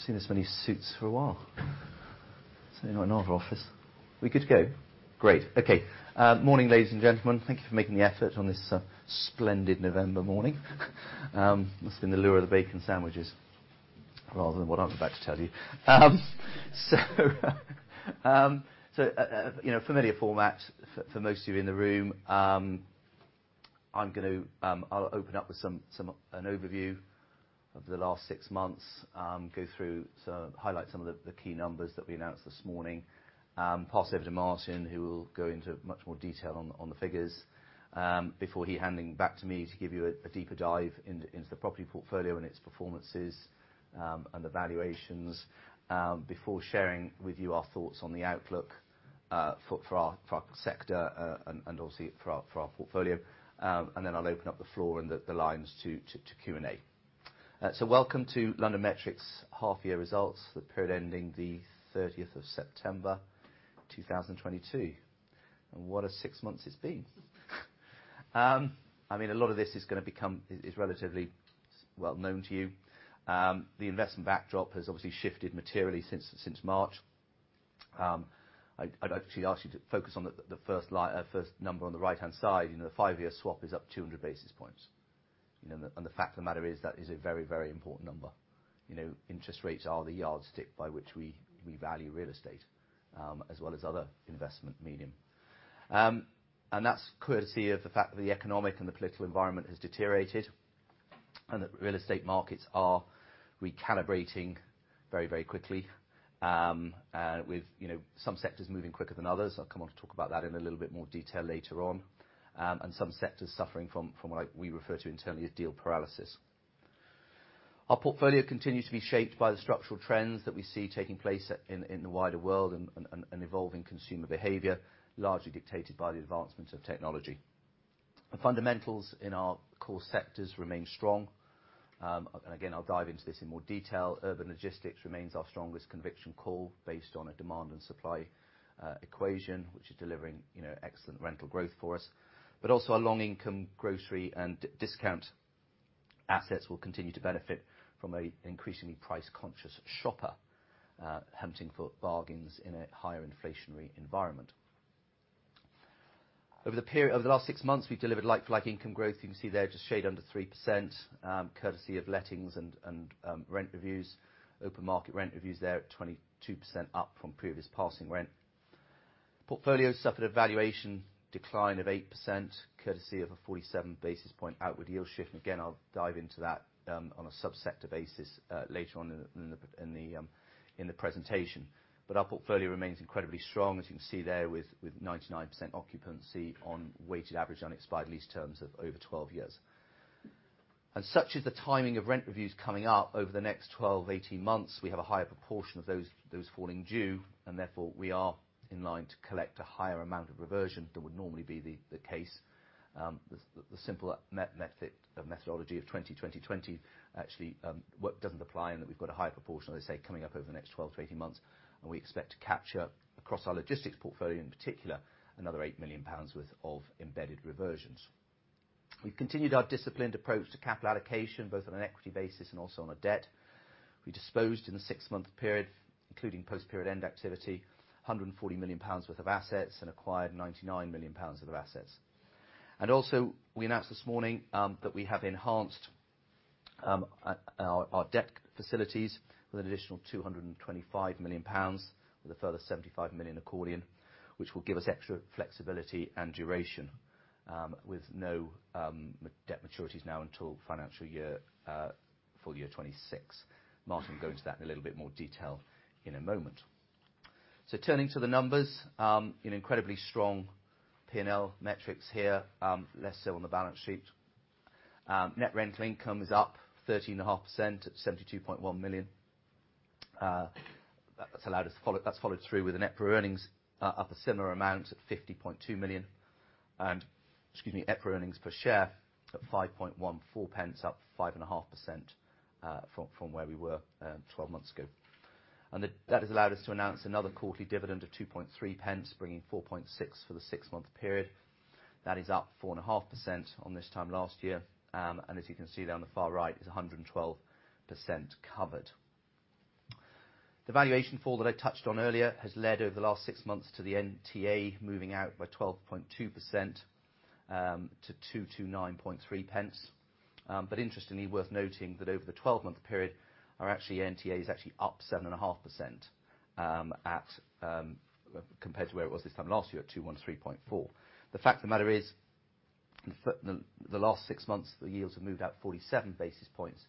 God, I haven't seen this many suits for a while. It's normally not in our office. We good to go? Great. Okay. Morning, ladies and gentlemen. Thank you for making the effort on this splendid November morning. Must have been the lure of the bacon sandwiches rather than what I'm about to tell you. You know, familiar format for most of you in the room. I'll open up with an overview of the last six months. Go through some, highlight some of the key numbers that we announced this morning. Pass over to Martin, who will go into much more detail on the figures, before he handing back to me to give you a deeper dive into the property portfolio and its performances, and the valuations, before sharing with you our thoughts on the outlook for our sector, and obviously for our portfolio. Then I'll open up the floor and the lines to Q&A. Welcome to LondonMetric's half-year results for the period ending the 30th of September, 2022. What a six months it's been. I mean, a lot of this is gonna become relatively well known to you. The investment backdrop has obviously shifted materially since March. I'd actually ask you to focus on the first line, first number on the right-hand side. You know, the five-year swap is up 200 basis points. You know, the fact of the matter is that is a very, very important number. You know, interest rates are the yardstick by which we value real estate as well as other investment medium. That's courtesy of the fact that the economic and the political environment has deteriorated, and that real estate markets are recalibrating very, very quickly with, you know, some sectors moving quicker than others. I'll come on to talk about that in a little bit more detail later on. Some sectors suffering from what we refer to internally as deal paralysis. Our portfolio continues to be shaped by the structural trends that we see taking place at, in the wider world and evolving consumer behavior, largely dictated by the advancement of technology. The fundamentals in our core sectors remain strong. Again, I'll dive into this in more detail. Urban logistics remains our strongest conviction call based on a demand and supply equation, which is delivering, you know, excellent rental growth for us. Also, our long income grocery and discount assets will continue to benefit from a increasingly price-conscious shopper hunting for bargains in a higher inflationary environment. Over the period, over the last six months, we've delivered like-for-like income growth. You can see there just shade under 3%, courtesy of lettings and rent reviews. Open market rent reviews there at 22% up from previous passing rent. Portfolio suffered a valuation decline of 8% courtesy of a 47 basis point outward yield shift. Again, I'll dive into that on a subsector basis later on in the presentation. Our portfolio remains incredibly strong, as you can see there, with 99% occupancy on weighted average on expired lease terms of over 12 years. Such is the timing of rent reviews coming up over the next 12, 18 months, we have a higher proportion of those falling due, and therefore we are in line to collect a higher amount of reversion than would normally be the case. The simple method, methodology of 20, 20 actually, what doesn't apply and that we've got a higher proportion, as I say, coming up over the next 12 to 18 months. We expect to capture, across our logistics portfolio in particular, another 8 million pounds worth of embedded reversions. We've continued our disciplined approach to capital allocation, both on an equity basis and also on a debt. We disposed in the six-month period, including post-period end activity, 140 million pounds worth of assets and acquired 99 million pounds worth of assets. Also, we announced this morning that we have enhanced our debt facilities with an additional 225 million pounds with a further 75 million accordion, which will give us extra flexibility and duration with no debt maturities now until financial year full year 2026. Martin will go into that in a little bit more detail in a moment. Turning to the numbers, an incredibly strong P&L metrics here, less so on the balance sheet. Net rental income is up 13.5% at 72.1 million. That's followed through with the net property earnings, up a similar amount at 50.2 million. EPRA earnings per share at 5.14 pence, up 5.5% from where we were 12 months ago. That has allowed us to announce another quarterly dividend of 2.3 pence, bringing 4.6 pence for the six-month period. That is up 4.5% on this time last year. As you can see there on the far right, is 112% covered. The valuation fall that I touched on earlier has led over the last six months to the NTA moving out by 12.2%, to 229.3 pence. Interestingly, worth noting that over the 12-month period, our actually NTAs actually up 7.5%, at compared to where it was this time last year at 213.4 pence. The fact of the matter is, the last 6 months, the yields have moved out 47 basis points.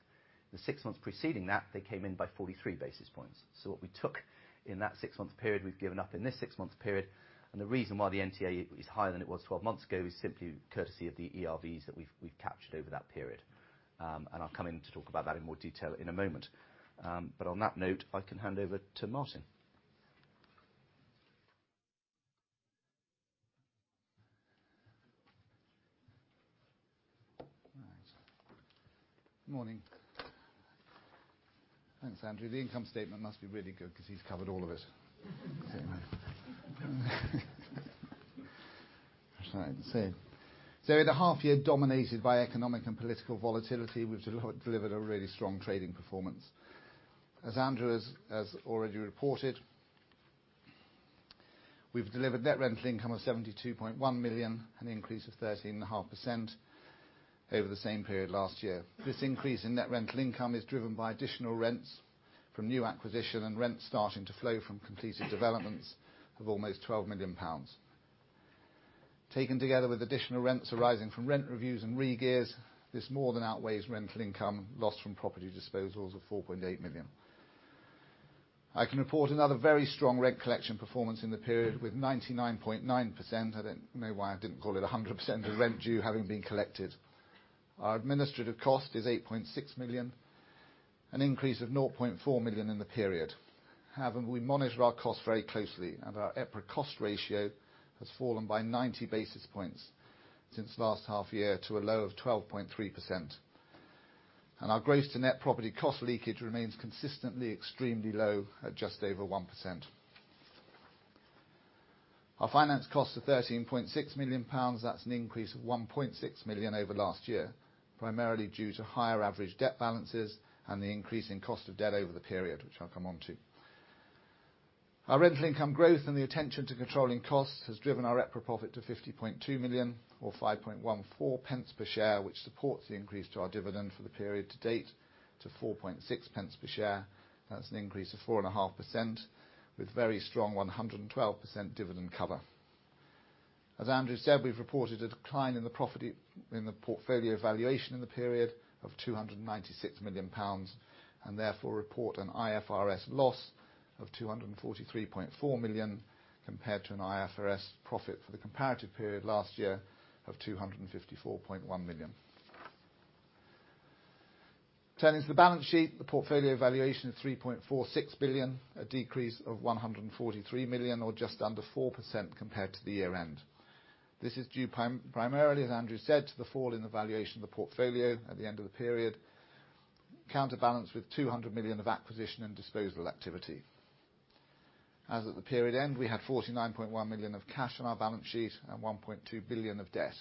The six months preceding that, they came in by 43 basis points. What we took in that 6-month period, we've given up in this 6-month period. The reason why the NTA is higher than it was 12 months ago is simply courtesy of the ERVs that we've captured over that period. I'll come in to talk about that in more detail in a moment. On that note, I can hand over to Martin. All right. Morning. Thanks, Andrew. The income statement must be really good 'cause he's covered all of it. That's right. In a half year dominated by economic and political volatility, we've delivered a really strong trading performance. As Andrew has already reported, we've delivered net rental income of 72.1 million, an increase of 13.5% over the same period last year. This increase in net rental income is driven by additional rents from new acquisition and rents starting to flow from completed developments of almost 12 million pounds. Taken together with additional rents arising from rent reviews and regears, this more than outweighs rental income lost from property disposals of 4.8 million. I can report another very strong rent collection performance in the period with 99.9%, I don't know why I didn't call it 100%, of rent due having been collected. Our administrative cost is 8.6 million, an increase of 0.4 million in the period. However, we monitor our costs very closely, our EPRA cost ratio has fallen by 90 basis points since last half year to a low of 12.3%. Our gross to net property cost leakage remains consistently extremely low at just over 1%. Our finance costs are 13.6 million pounds. That's an increase of 1.6 million over last year, primarily due to higher average debt balances and the increase in cost of debt over the period, which I'll come on to. Our rental income growth and the attention to controlling costs has driven our EPRA profit to 50.2 million or 5.14 pence per share, which supports the increase to our dividend for the period to date to 4.6 pence per share. That's an increase of 4.5% with very strong 112% dividend cover. As Andrew said, we've reported a decline in the profit in the portfolio valuation in the period of 296 million pounds, therefore report an IFRS loss of 243.4 million compared to an IFRS profit for the comparative period last year of 254.1 million. Turning to the balance sheet, the portfolio valuation of 3.46 billion, a decrease of 143 million or just under 4% compared to the year-end. This is due primarily, as Andrew said, to the fall in the valuation of the portfolio at the end of the period, counterbalanced with 200 million of acquisition and disposal activity. As at the period end, we had 49.1 million of cash on our balance sheet and 1.2 billion of debt.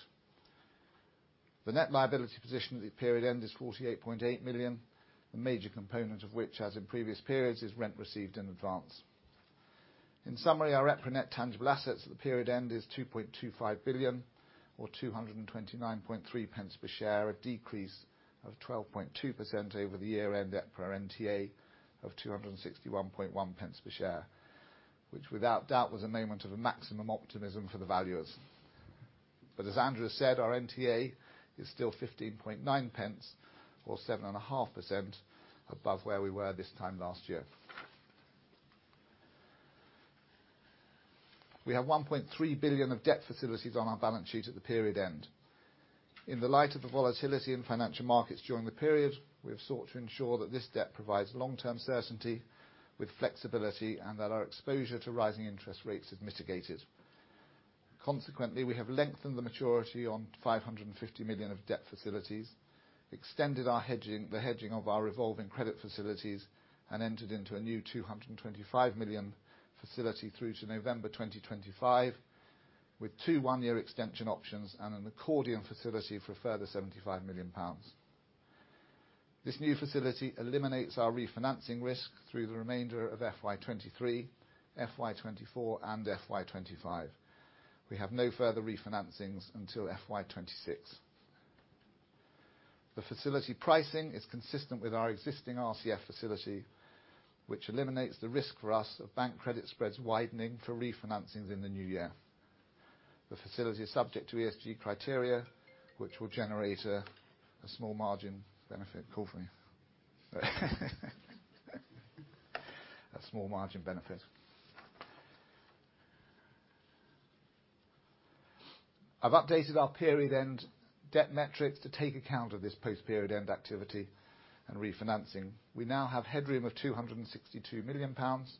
The net liability position at the period end is 48.8 million, a major component of which, as in previous periods, is rent received in advance. In summary, our EPRA net tangible assets at the period end is 2.25 billion or 229.3 pence per share, a decrease of 12.2% over the year-end EPRA NTA of 261.1 pence per share, which without doubt was a moment of maximum optimism for the valuers. As Andrew said, our NTA is still 15.9 pence or 7.5% above where we were this time last year. We have 1.3 billion of debt facilities on our balance sheet at the period end. In the light of the volatility in financial markets during the period, we have sought to ensure that this debt provides long-term certainty with flexibility and that our exposure to rising interest rates is mitigated. Consequently, we have lengthened the maturity on 550 million of debt facilities, extended our hedging, the hedging of our revolving credit facilities, and entered into a new 225 million facility through to November 2025, with two one-year extension options and an accordion facility for a further 75 million pounds. This new facility eliminates our refinancing risk through the remainder of FY 2023, FY 2024, and FY 2025. We have no further refinancings until FY 2026. The facility pricing is consistent with our existing RCF facility, which eliminates the risk for us of bank credit spreads widening for refinancings in the new year. The facility is subject to ESG criteria, which will generate a small margin benefit. Call for me. A small margin benefit. I've updated our period-end debt metrics to take account of this post-period-end activity and refinancing. We now have headroom of 262 million pounds.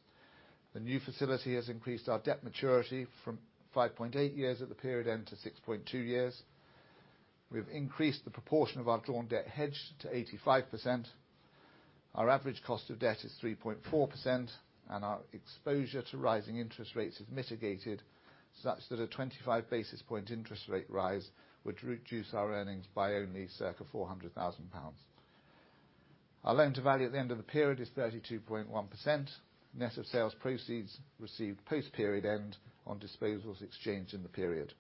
The new facility has increased our debt maturity from 5.8 years at the period end to 6.2 years. We've increased the proportion of our drawn debt hedged to 85%. Our average cost of debt is 3.4%, and our exposure to rising interest rates is mitigated such that a 25 basis point interest rate rise would reduce our earnings by only circa 400,000 pounds. Our loan to value at the end of the period is 32.1%, net of sales proceeds received post-period end on disposals exchanged in the period.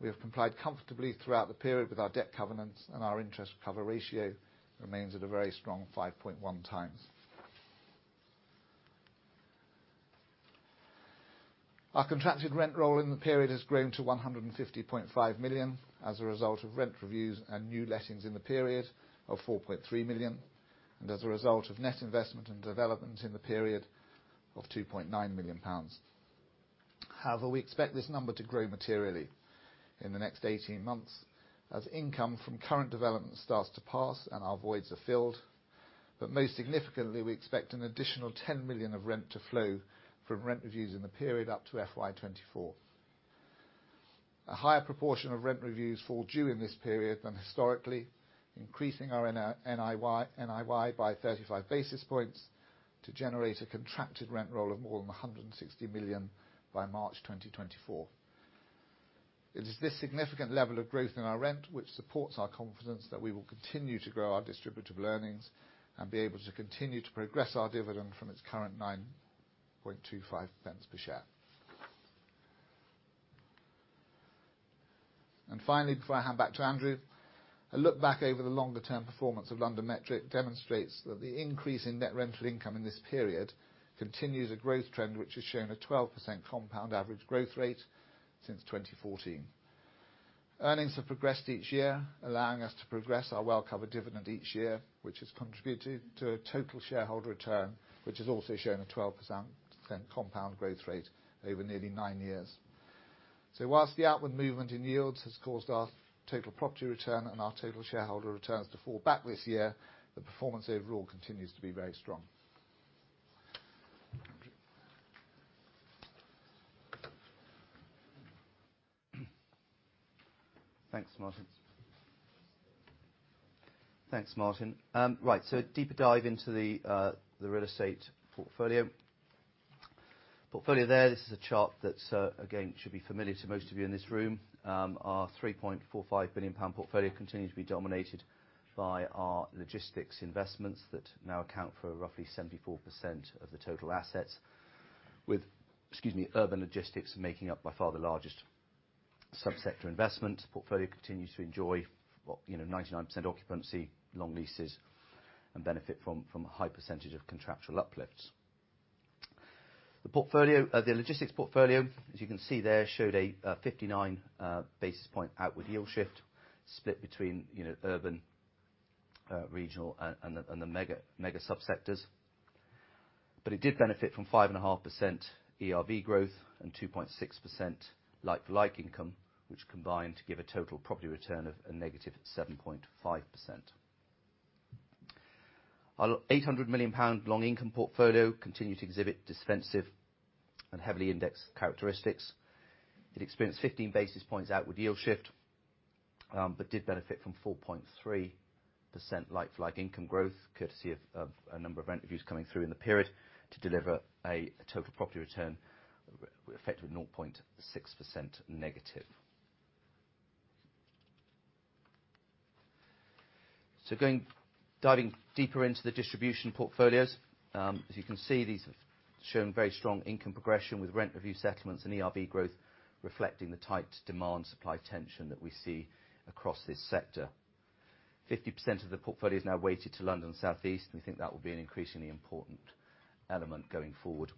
We have complied comfortably throughout the period with our debt covenants, and our interest cover ratio remains at a very strong 5.1x. Our contracted rent roll in the period has grown to 150.5 million as a result of rent reviews and new lettings in the period of 4.3 million, and as a result of net investment and development in the period of 2.9 million pounds. We expect this number to grow materially in the next 18 months as income from current developments starts to pass and our voids are filled. Most significantly, we expect an additional 10 million of rent to flow from rent reviews in the period up to FY 2024. A higher proportion of rent reviews fall due in this period than historically. Increasing our NIY by 35 basis points to generate a contracted rent roll of more than 160 million by March 2024. It is this significant level of growth in our rent which supports our confidence that we will continue to grow our distributable earnings and be able to continue to progress our dividend from its current 9.25 pence per share. Finally, before I hand back to Andrew, a look back over the longer-term performance of LondonMetric demonstrates that the increase in net rental income in this period continues a growth trend, which has shown a 12% compound average growth rate since 2014. Earnings have progressed each year, allowing us to progress our well-covered dividend each year, which has contributed to a total shareholder return, which has also shown a 12% compound growth rate over nearly nine years. Whilst the outward movement in yields has caused our total property return and our total shareholder returns to fall back this year, the performance overall continues to be very strong. Andrew. Thanks, Martin. Thanks, Martin. Right. Deeper dive into the real estate portfolio. Portfolio there, this is a chart that again, should be familiar to most of you in this room. Our 3.45 billion pound portfolio continues to be dominated by our logistics investments that now account for roughly 74% of the total assets with, excuse me, urban logistics making up by far the largest sub-sector investment. Portfolio continues to enjoy, you know, 99% occupancy, long leases, and benefit from a high percentage of contractual uplifts. The portfolio, the logistics portfolio, as you can see there, showed a 59 basis point outward yield shift split between, you know, urban, regional and the mega subsectors. It did benefit from 5.5% ERV growth and 2.6% like-for-like income, which combined to give a total property return of a negative 7.5%. Our 800 million pound long income portfolio continued to exhibit defensive and heavily indexed characteristics. It experienced 15 basis points outward yield shift, but did benefit from 4.3% like-for-like income growth, courtesy of a number of rent reviews coming through in the period to deliver a total property return effective at 0.6% negative. Going, diving deeper into the distribution portfolios, as you can see, these have shown very strong income progression with rent review settlements and ERV growth reflecting the tight demand supply tension that we see across this sector. 50% of the portfolio is now weighted to London Southeast, and we think that will be an increasingly important element going forward.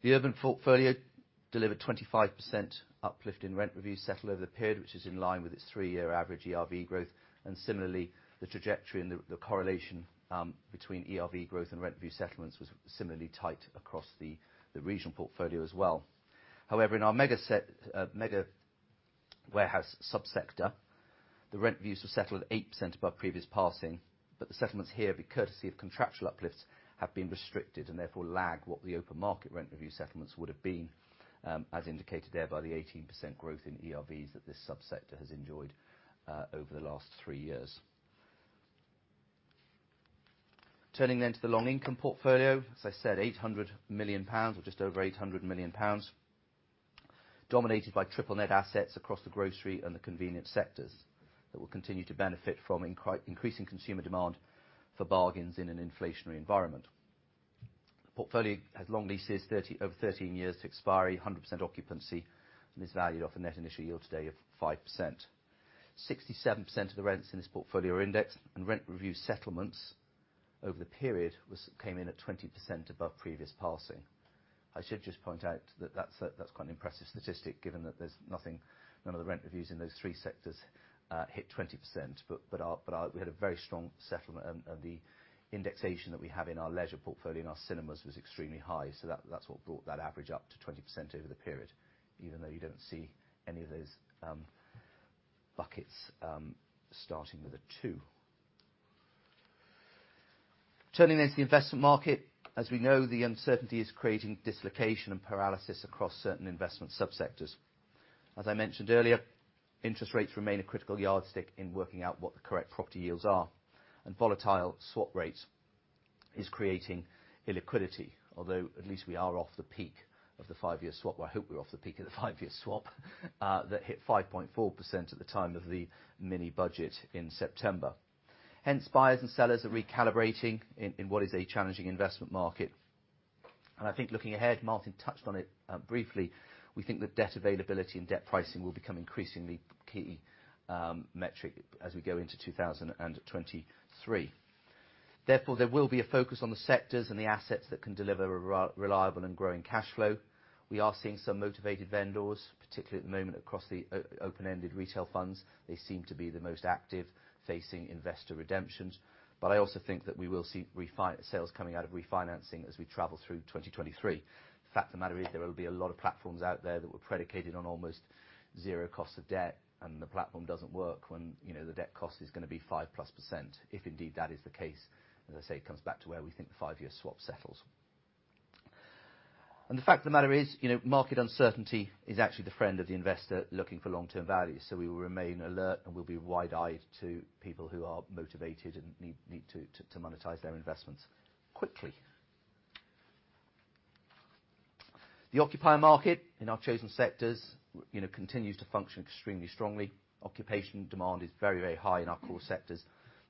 The urban portfolio delivered 25% uplift in rent reviews settled over the period, which is in line with its 3-year average ERV growth. Similarly, the trajectory and the correlation between ERV growth and rent review settlements was similarly tight across the regional portfolio as well. However, in our mega warehouse subsector, the rent reviews were settled at 8% above previous passing, but the settlements here, courtesy of contractual uplifts, have been restricted and therefore lag what the open market rent review settlements would have been, as indicated there by the 18% growth in ERVs that this subsector has enjoyed over the last three years. Turning to the long income portfolio, as I said, 800 million pounds, or just over 800 million pounds, dominated by triple net assets across the grocery and the convenience sectors that will continue to benefit from increasing consumer demand for bargains in an inflationary environment. The portfolio has long leases 30, over 13 years to expiry. 100% occupancy. Is valued off a Net Initial Yield today of 5%. 67% of the rents in this portfolio are indexed. Rent review settlements over the period came in at 20% above previous passing. I should just point out that that's quite an impressive statistic given that there's nothing, none of the rent reviews in those three sectors, hit 20%. We had a very strong settlement and the indexation that we have in our leisure portfolio, in our cinemas was extremely high. That's what brought that average up to 20% over the period, even though you don't see any of those buckets starting with a 2%. Turning to the investment market. As we know, the uncertainty is creating dislocation and paralysis across certain investment subsectors. As I mentioned earlier, interest rates remain a critical yardstick in working out what the correct property yields are. Volatile swap rates is creating illiquidity, although at least we are off the peak of the five-year swap. Well, I hope we're off the peak of the five-year swap that hit 5.4% at the time of the mini-budget in September. Buyers and sellers are recalibrating in what is a challenging investment market. Looking ahead, Martin touched on it briefly, we think that debt availability and debt pricing will become an increasingly key metric as we go into 2023. There will be a focus on the sectors and the assets that can deliver a reliable and growing cash flow. We are seeing some motivated vendors, particularly at the moment across the open-ended retail funds. They seem to be the most active, facing investor redemptions. I also think that we will see refi, sales coming out of refinancing as we travel through 2023. The fact of the matter is there will be a lot of platforms out there that were predicated on almost zero cost of debt and the platform doesn't work when, you know, the debt cost is gonna be 5+%, if indeed that is the case. As I say, it comes back to where we think the five-year swap settles. The fact of the matter is, you know, market uncertainty is actually the friend of the investor looking for long-term value. We will remain alert, and we'll be wide-eyed to people who are motivated and need to monetize their investments quickly. The occupier market in our chosen sectors, you know, continues to function extremely strongly. Occupation demand is very, very high in our core sectors.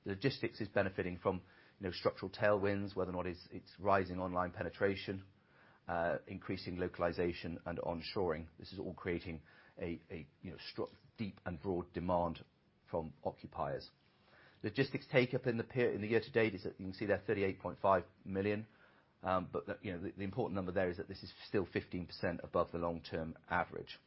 Logistics is benefiting from, you know, structural tailwinds, whether or not it's rising online penetration, increasing localization and onshoring. This is all creating a, you know, deep and broad demand from occupiers. Logistics take up in the year to date is, you can see there, 38.5 million. The, you know, the important number there is that this is still 15% above the long-term average.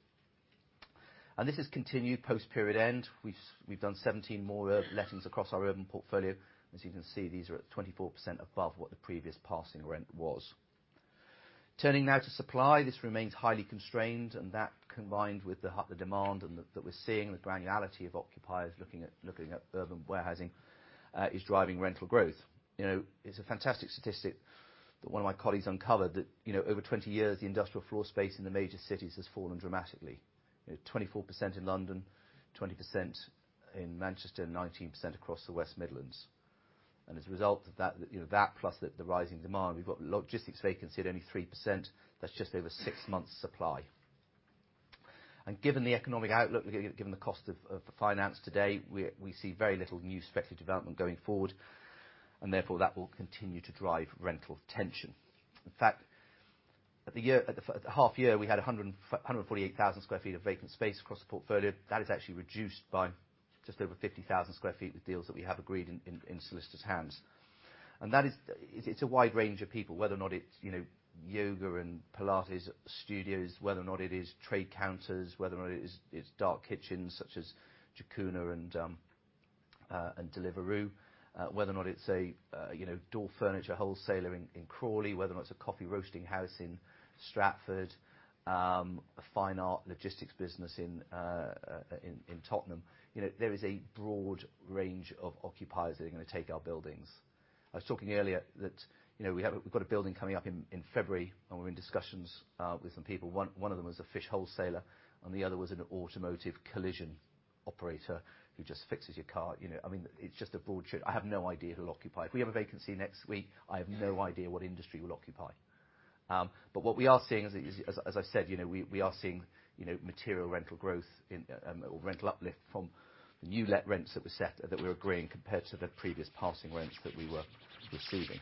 This has continued post period end. We've done 17 more lettings across our urban portfolio. As you can see, these are at 24 above what the previous passing rent was. Turning now to supply, this remains highly constrained, and that combined with the demand and the, that we're seeing, the granularity of occupiers looking at urban warehousing, is driving rental growth. You know, it's a fantastic statistic that one of my colleagues uncovered that, you know, over 20 years, the industrial floor space in the major cities has fallen dramatically. You know, 24% in London, 20% in Manchester, and 19% across the West Midlands. As a result of that, you know, that plus the rising demand, we've got logistics vacancy at only 3%. That's just over six months supply. Given the economic outlook, given the cost of finance today, we see very little new speculative development going forward, and therefore that will continue to drive rental tension. In fact, at the half year, we had 148,000 sq ft of vacant space across the portfolio. That is actually reduced by just over 50,000 sq ft with deals that we have agreed in solicitor's hands. That is, it's a wide range of people, whether or not it's, you know, yoga and Pilates studios, whether or not it is trade counters, whether or not it is, it's dark kitchens such as Jacuna and Deliveroo, whether or not it's a, you know, door furniture wholesaler in Crawley, whether or not it's a coffee roasting house in Stratford, a fine art logistics business in Tottenham. You know, there is a broad range of occupiers that are gonna take our buildings. I was talking earlier that, you know, we've got a building coming up in February, and we're in discussions with some people. One of them was a fish wholesaler, and the other was an automotive collision operator who just fixes your car. You know, I mean, it's just a broad I have no idea who'll occupy. If we have a vacancy next week, I have no idea what industry will occupy. But what we are seeing is, as I said, you know, we are seeing, you know, material rental growth in or rental uplift from the new let rents that were set, that we're agreeing compared to the previous passing rents that we were receiving.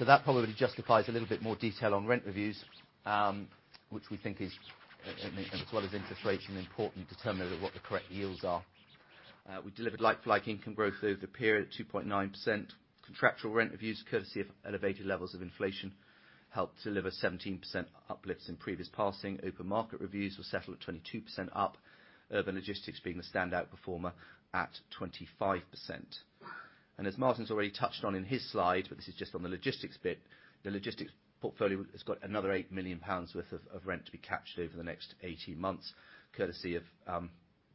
That probably justifies a little bit more detail on rent reviews, which we think is, as well as inflation, important to determine what the correct yields are. We delivered like-for-like income growth over the period at 2.9%. Contractual rent reviews, courtesy of elevated levels of inflation, helped deliver 17% uplifts in previous passing. Open market reviews were settled at 22% up, urban logistics being the standout performer at 25%. As Martin's already touched on in his slide, but this is just on the logistics bit, the logistics portfolio has got another 8 million pounds worth of rent to be captured over the next 18 months courtesy of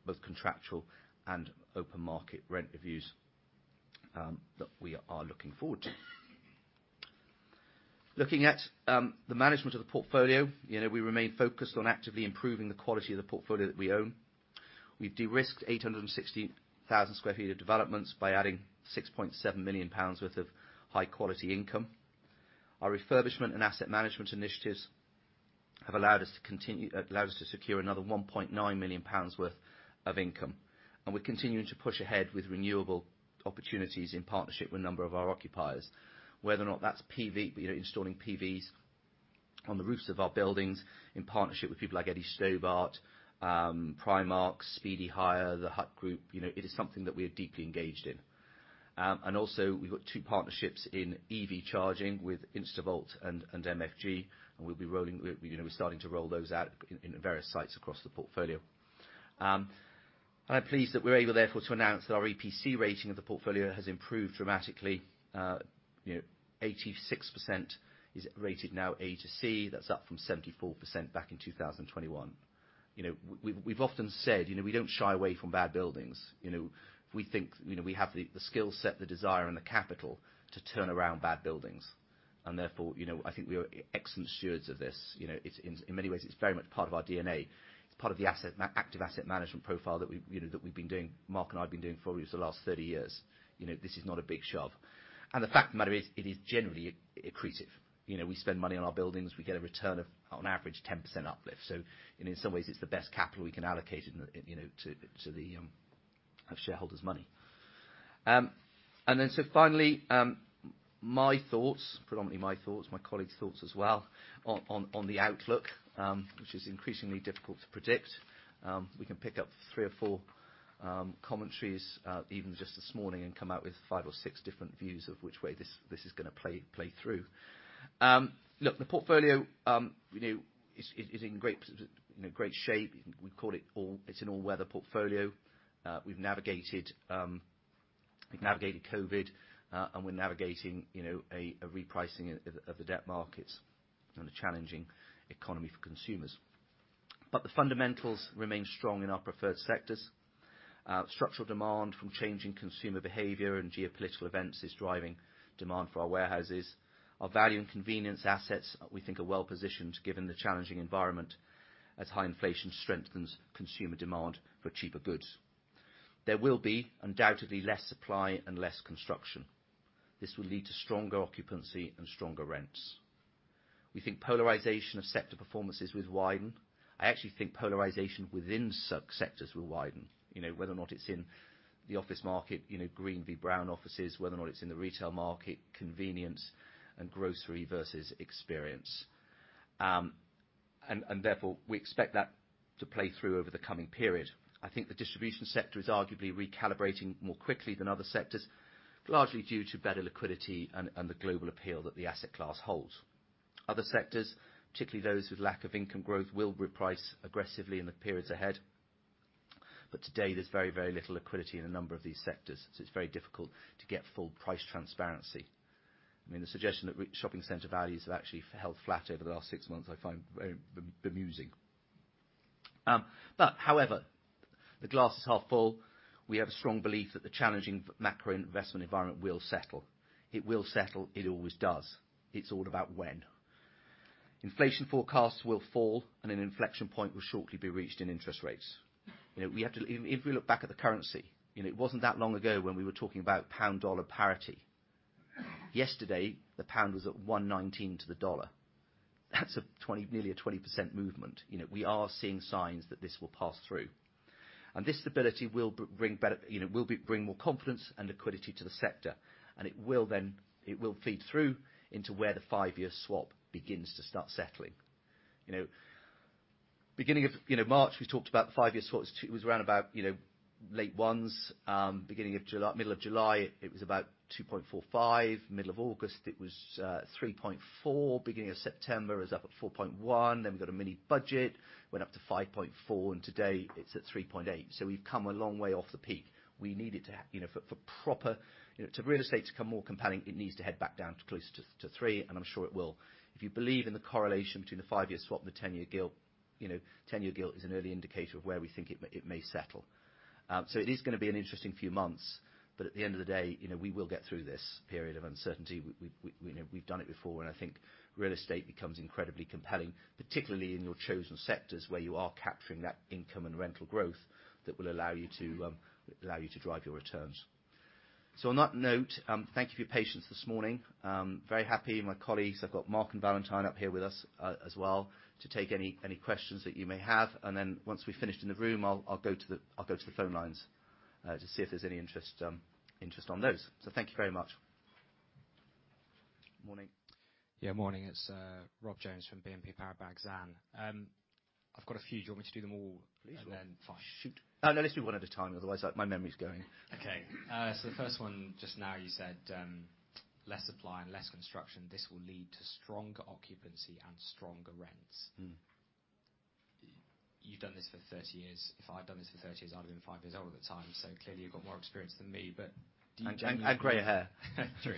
both contractual and open market rent reviews that we are looking forward to. Looking at the management of the portfolio, you know, we remain focused on actively improving the quality of the portfolio that we own. We've de-risked 860,000 sq ft of developments by adding 6.7 million pounds worth of high-quality income. Our refurbishment and asset management initiatives have allowed us to secure another 1.9 million pounds worth of income. We're continuing to push ahead with renewable opportunities in partnership with a number of our occupiers, whether or not that's PV, you know, installing PVs on the roofs of our buildings in partnership with people like Eddie Stobart, Primark, Speedy Hire, The Hut Group, you know, it is something that we are deeply engaged in. Also, we've got two partnerships in EV charging with InstaVolt and MFG, and we'll be rolling, you know, we're starting to roll those out in various sites across the portfolio. I'm pleased that we're able therefore to announce that our EPC rating of the portfolio has improved dramatically. You know, 86% is rated now A to C. That's up from 74% back in 2021. You know, we've often said, you know, we don't shy away from bad buildings. You know, we think, you know, we have the skill set, the desire, and the capital to turn around bad buildings. Therefore, you know, I think we are excellent stewards of this. You know, it's, in many ways, it's very much part of our DNA. It's part of the asset, active asset management profile that we've, you know, that we've been doing, Mark and I have been doing for the last 30 years. You know, this is not a big shove. The fact of the matter is, it is generally accretive. You know, we spend money on our buildings, we get a return of on average 10% uplift. In some ways, it's the best capital we can allocate, you know, to the our shareholders' money. Finally, my thoughts, predominantly my thoughts, my colleagues' thoughts as well on the outlook, which is increasingly difficult to predict. We can pick up three or four commentaries, even just this morning and come out with five or six different views of which way this is gonna play through. Look, the portfolio, you know, is in a great shape. It's an all-weather portfolio. We've navigated COVID, and we're navigating, you know, a repricing of the debt markets and a challenging economy for consumers. The fundamentals remain strong in our preferred sectors. Structural demand from changing consumer behavior and geopolitical events is driving demand for our warehouses. Our value and convenience assets, we think are well positioned given the challenging environment as high inflation strengthens consumer demand for cheaper goods. There will be undoubtedly less supply and less construction. This will lead to stronger occupancy and stronger rents. We think polarization of sector performances will widen. I actually think polarization within subsectors will widen. You know, whether or not it's in the office market, you know, green v brown offices, whether or not it's in the retail market, convenience and grocery versus experience. Therefore, we expect that to play through over the coming period. I think the distribution sector is arguably recalibrating more quickly than other sectors, largely due to better liquidity and the global appeal that the asset class holds. Other sectors, particularly those with lack of income growth, will reprice aggressively in the periods ahead. Today there's very little liquidity in a number of these sectors, so it's very difficult to get full price transparency. I mean, the suggestion that shopping center values have actually held flat over the last six months, I find very bemusing. However, the glass is half full. We have a strong belief that the challenging macro and investment environment will settle. It will settle. It always does. It's all about when. Inflation forecasts will fall and an inflection point will shortly be reached in interest rates. You know, if we look back at the currency, you know, it wasn't that long ago when we were talking about pound/dollar parity. Yesterday, the pound was at 1.19 to the dollar. That's a 20, nearly a 20% movement. You know, we are seeing signs that this will pass through. This stability will bring better, you know, bring more confidence and liquidity to the sector, and it will then, it will feed through into where the five-year swap begins to start settling. You know, beginning of, you know, March, we talked about the five-year swaps, it was around about, you know, late ones. Beginning of July, middle of July, it was about 2.45. Middle of August, it was 3.4. Beginning of September, it was up at 4.1. We got a mini-budget, went up to 5.4, and today it's at 3.8. We've come a long way off the peak. We need it to, you know, for proper, you know, to real estate to become more compelling, it needs to head back down to closer to 3, and I'm sure it will. If you believe in the correlation between the five-year swap and the 10-year gilt, you know, 10-year gilt is an early indicator of where we think it may settle. it is gonna be an interesting few months, but at the end of the day, you know, we will get through this period of uncertainty. We, you know, we've done it before, and I think real estate becomes incredibly compelling, particularly in your chosen sectors where you are capturing that income and rental growth that will allow you to, allow you to drive your returns. On that note, thank you for your patience this morning. Very happy, my colleagues, I've got Mark and Valentine up here with us, as well, to take any questions that you may have. Once we've finished in the room, I'll go to the phone lines, to see if there's any interest on those. Thank you very much. Morning. Yeah, morning. It's Rob Jones from BNP Paribas Exane. I've got a few. Do you want me to do them? Please, sure. Then? Fine. Shoot. No, let's do one at a time. Otherwise, my memory's going. The first one, just now you said, less supply and less construction, this will lead to stronger occupancy and stronger rents. Mm. You've done this for 30 years. If I'd done this for 30 years, I'd have been five years old at the time, so clearly you've got more experience than me, but do you? I have gray hair. True.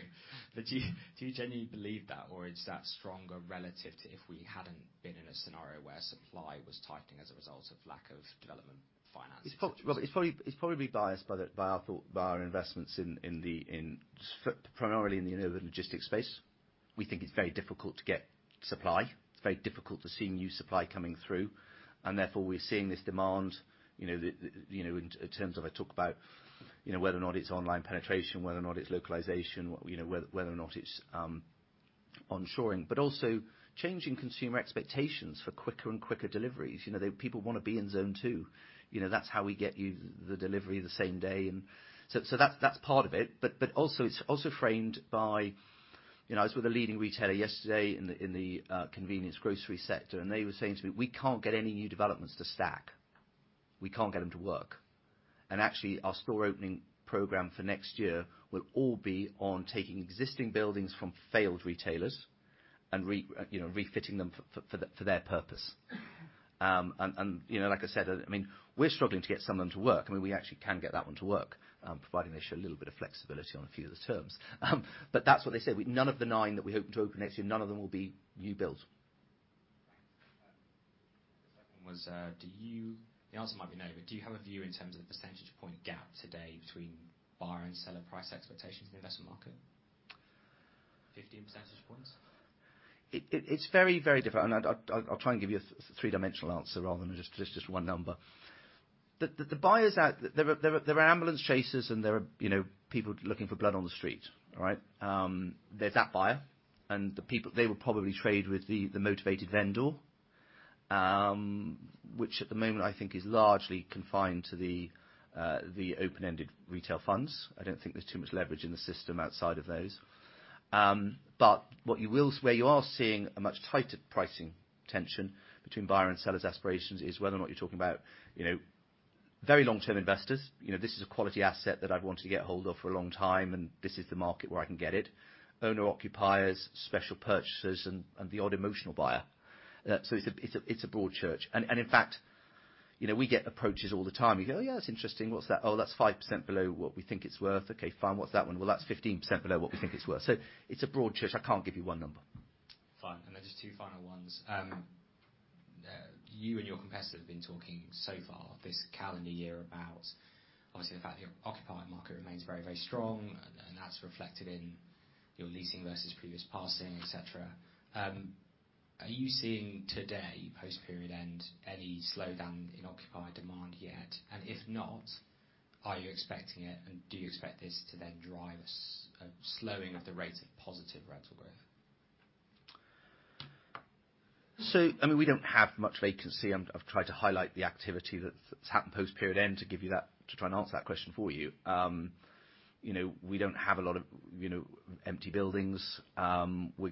Do you genuinely believe that, or is that stronger relative to if we hadn't been in a scenario where supply was tightening as a result of lack of development finances? Well, it's probably biased by our investments in primarily in the innovative logistics space. We think it's very difficult to get supply. It's very difficult to see new supply coming through. Therefore, we're seeing this demand, you know, in terms of, I talk about, you know, whether or not it's online penetration, whether or not it's localization, you know, whether or not it's onshoring, but also changing consumer expectations for quicker and quicker deliveries. You know, people wanna be in zone two. You know, that's how we get you the delivery the same day. That's part of it, but also it's also framed by, you know, I was with a leading retailer yesterday in the convenience grocery sector, and they were saying to me, "We can't get any new developments to stack. We can't get them to work. Actually, our store opening program for next year will all be on taking existing buildings from failed retailers and refitting them for their purpose." And, you know, like I said, I mean, we're struggling to get some of them to work. I mean, we actually can get that one to work, providing they show a little bit of flexibility on a few of the terms. But that's what they said. None of the nine that we're hoping to open next year, none of them will be new builds. The second was, The answer might be no, but do you have a view in terms of the percentage point gap today between buyer and seller price expectations in the investment market? 15 percentage points? It's very, very. I'll try and give you a three-dimensional answer rather than just one number. The buyers out there are ambulance chasers and there are, you know, people looking for blood on the street. All right? There's that buyer and the people, they will probably trade with the motivated vendor, which at the moment I think is largely confined to the open-ended retail funds. I don't think there's too much leverage in the system outside of those. What you will, where you are seeing a much tighter pricing tension between buyer and seller's aspirations is whether or not you're talking about, you know, very long-term investors. You know, this is a quality asset that I've wanted to get hold of for a long time, and this is the market where I can get it. Owner-occupiers, special purchasers and the odd emotional buyer. So it's a broad church. In fact, you know, we get approaches all the time. You go, "Oh, yeah, that's interesting. What's that? Oh, that's 5% below what we think it's worth. Okay, fine. What's that one? Well, that's 15% below what we think it's worth." So it's a broad church. I can't give you one number. Fine. Just two final ones. You and your competitors have been talking so far this calendar year about, obviously, the fact that your occupied market remains very, very strong, and that's reflected in your leasing versus previous passing, et cetera. Are you seeing today, post-period end, any slowdown in occupied demand yet? If not, are you expecting it, and do you expect this to then drive a slowing of the rate of positive rental growth? I mean, we don't have much vacancy. I've tried to highlight the activity that's happened post-period end to try and answer that question for you. you know, we don't have a lot of, you know, empty buildings. we're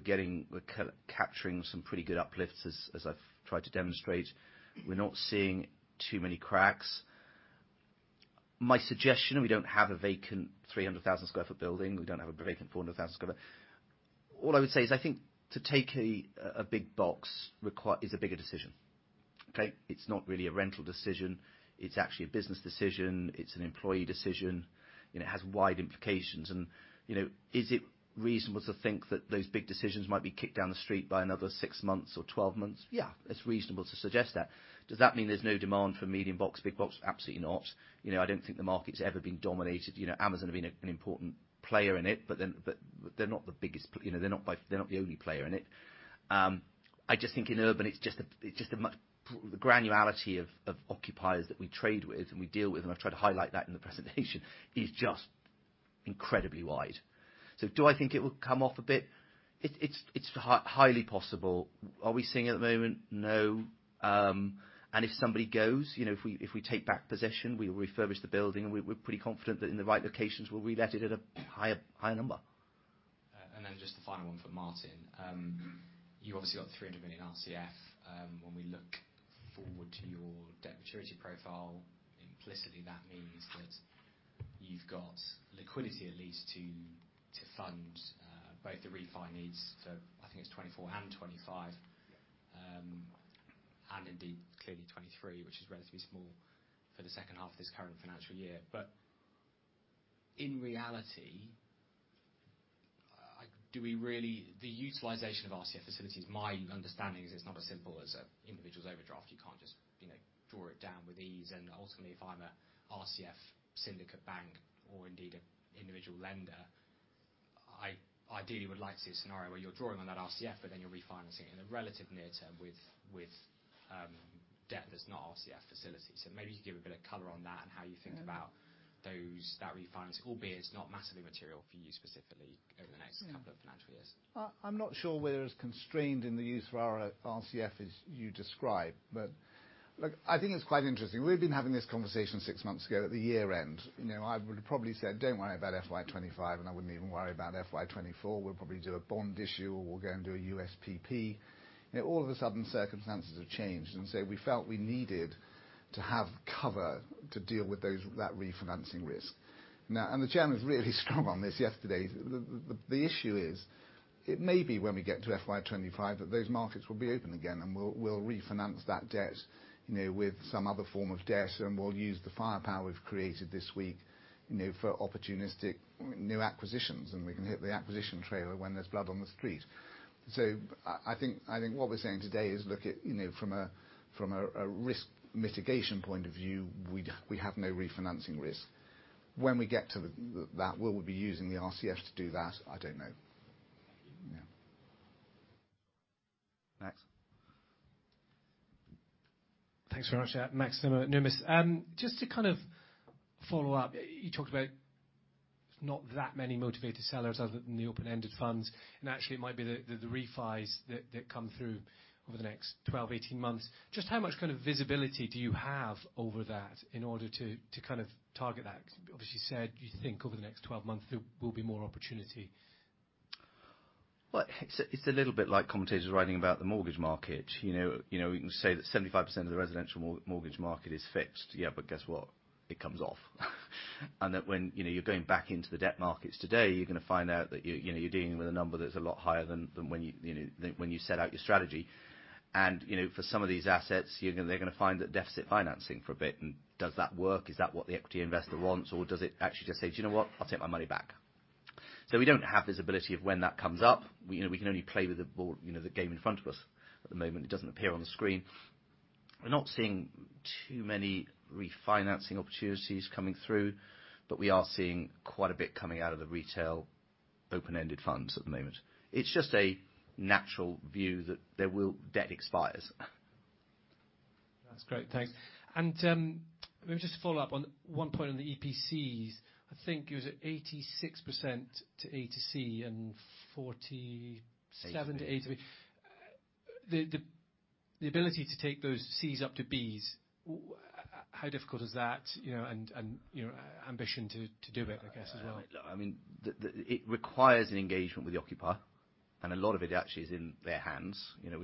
capturing some pretty good uplifts, as I've tried to demonstrate. We're not seeing too many cracks. My suggestion, we don't have a vacant 300,000 sq ft building. We don't have a vacant 400,000 sq ft. All I would say is I think to take a big box is a bigger decision. Okay? It's not really a rental decision. It's actually a business decision. It's an employee decision, and it has wide implications. You know, is it reasonable to think that those big decisions might be kicked down the street by another six months or 12 months? Yeah, it's reasonable to suggest that. Does that mean there's no demand for medium box, big box? Absolutely not. You know, I don't think the market's ever been dominated. You know, Amazon have been an important player in it, but they're not the biggest, you know, they're not the only player in it. I just think in urban, it's just a much the granularity of occupiers that we trade with and we deal with, and I've tried to highlight that in the presentation, is just incredibly wide. Do I think it will come off a bit? It's highly possible. Are we seeing it at the moment? No. If somebody goes, you know, if we take back possession, we will refurbish the building, and we're pretty confident that in the right locations, we'll relet it at a higher number. Just the final one for Martin. You've obviously got 300 million RCF. When we look forward to your debt maturity profile, implicitly that means that you've got liquidity at least to fund both the refi needs for, I think it's 2024 and 2025. Yeah. Indeed, clearly 2023, which is relatively small for the second half of this current financial year. In reality, the utilization of RCF facilities, my understanding is it's not as simple as an individual's overdraft. You can't just, you know, draw it down with ease. Ultimately, if I'm a RCF syndicate bank or indeed an individual lender, I ideally would like to see a scenario where you're drawing on that RCF, but then you're refinancing in the relative near term with, debt that's not RCF facility. maybe you can give a bit of color on that and how you think about those, that refinance, albeit it's not massively material for you specifically over the next couple of financial years. I'm not sure we're as constrained in the use of our RCF as you describe. Look, I think it's quite interesting. We've been having this conversation six months ago at the year-end. You know, I would have probably said, "Don't worry about FY 2025, and I wouldn't even worry about FY 2024. We'll probably do a bond issue, or we'll go and do a USPP." You know, all of a sudden, circumstances have changed. We felt we needed to have cover to deal with those, that refinancing risk. The Chairman's really strong on this yesterday. The issue is, it may be when we get to FY 2025 that those markets will be open again, and we'll refinance that debt, you know, with some other form of debt, and we'll use the firepower we've created this week, you know, for opportunistic new acquisitions, and we can hit the acquisition trailer when there's blood on the street. I think, I think what we're saying today is, look at, you know, from a, from a risk mitigation point of view, we have no refinancing risk. When we get to that, will we be using the RCF to do that? I don't know. Yeah. Max. Thanks very much. Max from Numis. Just to kind of follow up, you talked about not that many motivated sellers other than the open-ended funds, and actually it might be the refis that come through over the next 12, 18 months. Just how much kind of visibility do you have over that in order to kind of target that? You obviously said you think over the next 12 months there will be more opportunity. Well, it's a little bit like commentators writing about the mortgage market. You know, you know, we can say that 75% of the residential mortgage market is fixed. Yeah, but guess what? It comes off. That when, you know, you're going back into the debt markets today, you're gonna find out that you know, you're dealing with a number that's a lot higher than when you know, than when you set out your strategy. You know, for some of these assets, they're gonna find that deficit financing for a bit. Does that work? Is that what the equity investor wants? Does it actually just say, "Do you know what? I'll take my money back." We don't have visibility of when that comes up. We, you know, we can only play with the ball, you know, the game in front of us at the moment. It doesn't appear on the screen. We're not seeing too many refinancing opportunities coming through, but we are seeing quite a bit coming out of the retail open-ended funds at the moment. It's just a natural view that debt expires. That's great. Thanks. Let me just follow up on one point on the EPCs. I think it was at 86% to A to C and 47 to A to B. The ability to take those Cs up to Bs, how difficult is that, you know, and your ambition to do it, I guess, as well? I mean, it requires an engagement with the occupier, and a lot of it actually is in their hands. You know,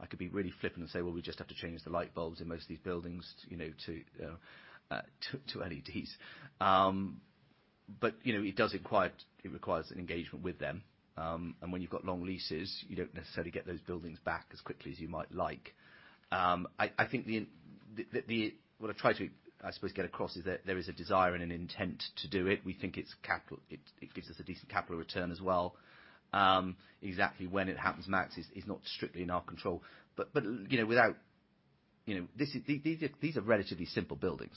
I could be really flippant and say, "Well, we just have to change the light bulbs in most of these buildings, you know, to LEDs." You know, it does require an engagement with them. When you've got long leases, you don't necessarily get those buildings back as quickly as you might like. I think what I've tried to, I suppose, get across is that there is a desire and an intent to do it. We think it's capital. It gives us a decent capital return as well. Exactly when it happens, Max, is not strictly in our control. You know, without, you kYow, these are relatively simple buildings,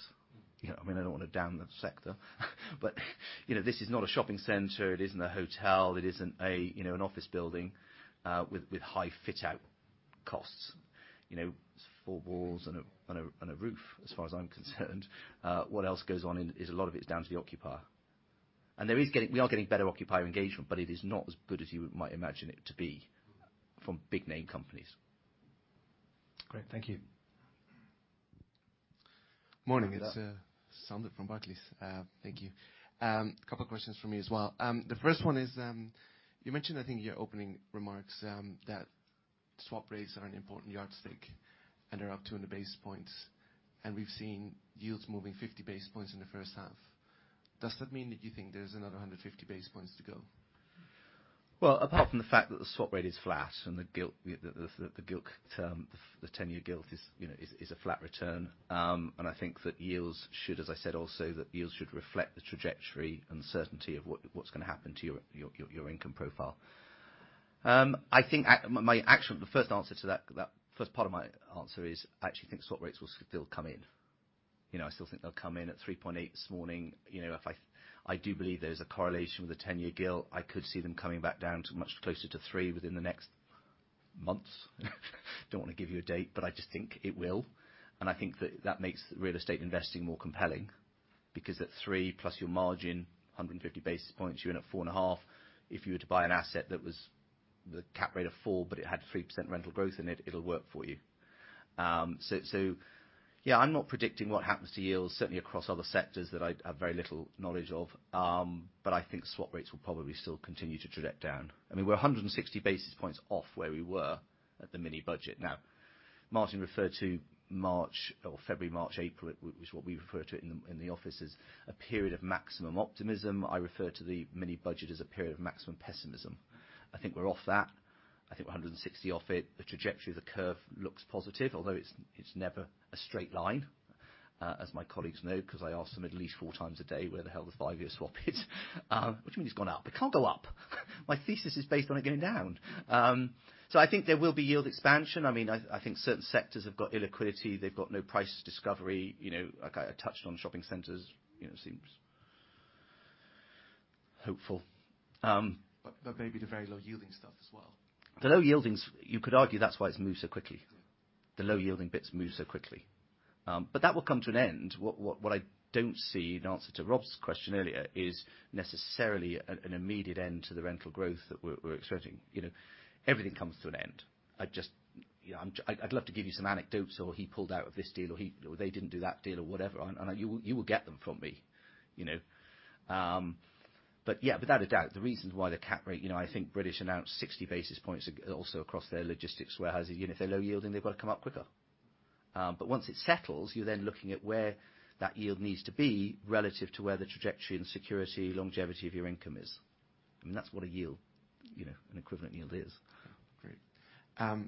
you know. I mean, I don't wanna down the sector, but, you know, this is not a shopping center. It isn't a hotel. It isn't a, you know, an office building, with high fit-out costs, you know. It's four walls and a roof, as far as I'm concerned. What else goes on in it is a lot of it's down to the occupier. We are getting better occupier engagement, but it is not as good as you might imagine it to be from big name companies. Great. Thank you. Morning. Hi, there. It's, Sander from Barclays. Thank you. Couple questions from me as well. The first one is, you mentioned, I think in your opening remarks, that swap rates are an important yardstick, and they're up 200 basis points, and we've seen yields moving 50 basis points in the first half. Does that mean that you think there's another 150 basis points to go? Well, apart from the fact that the swap rate is flat and the gilt, the gilt term, the ten-year gilt is, you know, is a flat return. I think that yields should, as I said also, that yields should reflect the trajectory and certainty of what's gonna happen to your income profile. My actual. The first answer to that. First part of my answer is I actually think swap rates will still come in. You know, I still think they'll come in at 3.8% this morning. You know, I do believe there's a correlation with the ten-year gilt. I could see them coming back down to much closer to 3% within the next months. Don't wanna give you a date, but I just think it will. I think that that makes real estate investing more compelling, because at 3, plus your margin, 150 basis points, you're in at 4.5. If you were to buy an asset that was the cap rate of 4 but it had 3% rental growth in it'll work for you. So yeah, I'm not predicting what happens to yields, certainly across other sectors that I have very little knowledge of. But I think swap rates will probably still continue to traject down. I mean, we're 160 basis points off where we were at the mini-budget. Now, Martin referred to March or February, March, April, which is what we refer to in the office as a period of maximum optimism. I refer to the mini-budget as a period of maximum pessimism. I think we're off that. I think we're 160 off it. The trajectory of the curve looks positive, although it's never a straight line, as my colleagues know, 'cause I ask them at least four times a day where the hell the five-year swap is. Which means it's gone up. It can't go up. My thesis is based on it going down. I think there will be yield expansion. I mean, I think certain sectors have got illiquidity. They've got no price discovery. You know, I touched on shopping centers. You know, it seems hopeful. Maybe the very low yielding stuff as well. The low yieldings, you could argue that's why it's moved so quickly. Yeah. The low yielding bits move so quickly. That will come to an end. What I don't see, in answer to Rob's question earlier, is necessarily an immediate end to the rental growth that we're expecting, you know. Everything comes to an end. I just, you know, I'd love to give you some anecdotes or he pulled out of this deal or he or they didn't do that deal or whatever. You will get them from me, you know. Yeah, without a doubt, the reasons why the cap rate, you know, I think British announced 60 basis points also across their logistics warehouses. You know, if they're low yielding, they've got to come up quicker. Once it settles, you're then looking at where that yield needs to be relative to where the trajectory and security, longevity of your income is. I mean, that's what a yield, you know, an equivalent yield is. Great.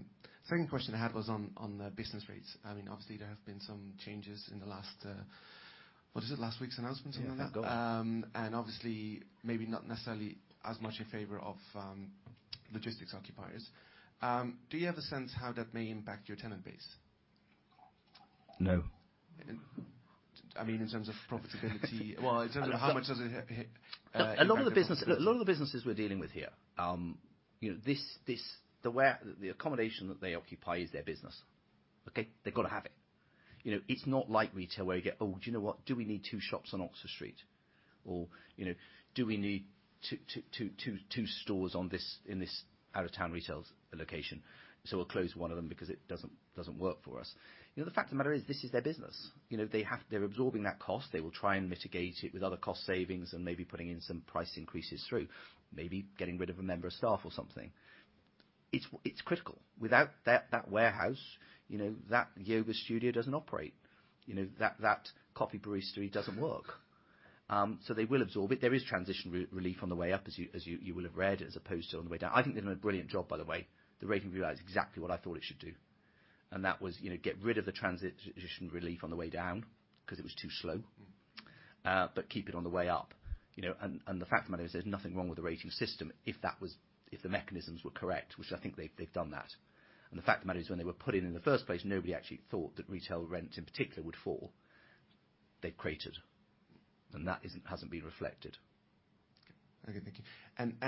Second question I had was on the business rates. I mean, obviously there have been some changes in the last, what is it? Last week's announcement on that. Yeah. Go on. Obviously, maybe not necessarily as much in favor of logistics occupiers. Do you have a sense how that may impact your tenant base? No. I mean, well, in terms of how much does it hit? No. A lot of the business. Look, a lot of the businesses we're dealing with here, you know, the accommodation that they occupy is their business. Okay? They've gotta have it. You know, it's not like retail where you go, "Oh, do you know what? Do we need two shops on Oxford Street?" You know, "Do we need two stores on this, in this out-of-town retail location? We'll close one of them because it doesn't work for us." You know, the fact of the matter is this is their business. You know, they're absorbing that cost. They will try and mitigate it with other cost savings and maybe putting in some price increases through. Maybe getting rid of a member of staff or something. It's critical. Without that warehouse, you know, that yoga studio doesn't operate. You know, that coffee brewery doesn't work. They will absorb it. There is transition re-relief on the way up as you, as you will have read, as opposed to on the way down. I think they've done a brilliant job, by the way. The rating revalue is exactly what I thought it should do. That was, you know, get rid of the transition relief on the way down 'cause it was too slow. Mm-hmm. Keep it on the way up, you know. The fact of the matter is there's nothing wrong with the rating system if that was, if the mechanisms were correct, which I think they've done that. The fact of the matter is, when they were put in in the first place, nobody actually thought that retail rent in particular would fall. They cratered, and that isn't, hasn't been reflected. Okay. Thank you.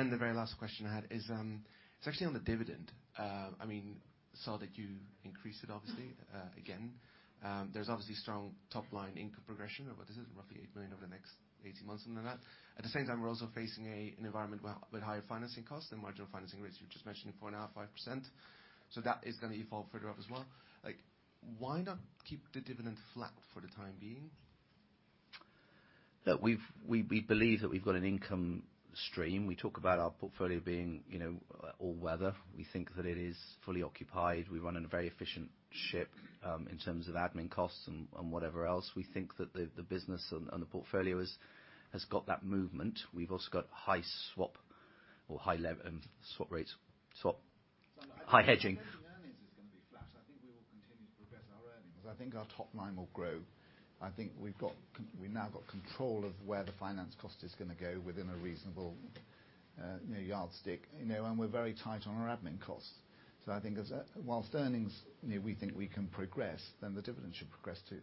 The very last question I had is, it's actually on the dividend. I mean, saw that you increased it obviously again. There's obviously strong top-line income progression of what is it? Roughly 8 million over the next 18 months, something like that. At the same time, we're also facing an environment where, with higher financing costs and marginal financing rates you've just mentioned, 0.5%. That is gonna evolve further up as well. Like, why not keep the dividend flat for the time being? Look, we've, we believe that we've got an income stream. We talk about our portfolio being, you know, all-weather. We think that it is fully occupied. We run a very efficient ship in terms of admin costs and whatever else. We think that the business and the portfolio has got that movement. We've also got high swap rates. High hedging I don't think earnings is gonna be flat. I think we will continue to progress our earnings. I think our top line will grow. I think we've now got control of where the finance cost is gonna go within a reasonable, you know, yardstick, you know, and we're very tight on our admin costs. I think while earnings, you know, we think we can progress, the dividend should progress, too.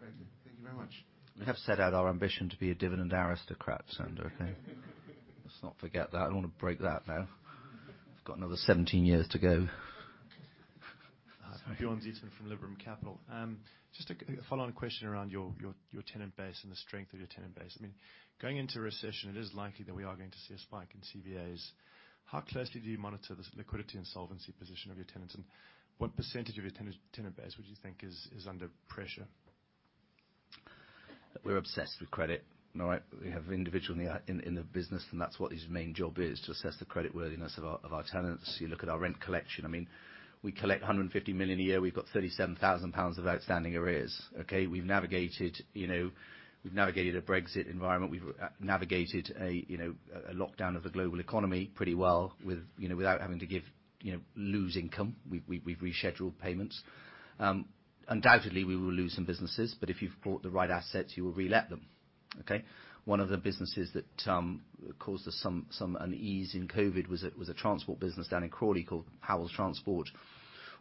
Great. Thank you very much. We have set out our ambition to be a dividend aristocrat, Sander, okay? Let's not forget that. I don't wanna break that now. We've got another 17 years to go. Sorry. Bjorn Zietsman from Liberum Capital. Just a follow-on question around your tenant base and the strength of your tenant base. I mean, going into a recession, it is likely that we are going to see a spike in CVAs. How closely do you monitor the liquidity and solvency position of your tenants, and what percentage of your tenant base would you think is under pressure? We're obsessed with credit, all right? We have an individual in the business, that's what his main job is, to assess the creditworthiness of our tenants. You look at our rent collection. I mean, we collect 150 million a year. We've got 37,000 pounds of outstanding arrears, okay? We've navigated, you know, we've navigated a Brexit environment. We've navigated a, you know, lockdown of the global economy pretty well with, you know, without having to give, you know, lose income. We've rescheduled payments. Undoubtedly, we will lose some businesses, if you've bought the right assets, you will relet them, okay? One of the businesses that caused us some unease in COVID was a transport business down in Crawley called Howells Transport.